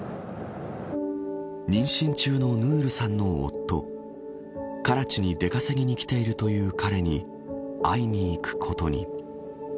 妊娠中のヌールさんの夫カラチに出稼ぎに来ているという彼に会いに行くことに。